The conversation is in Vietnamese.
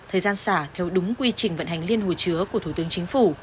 thời gian xả theo đúng quy trình vận hành liên hồ chứa của thủ tướng chính phủ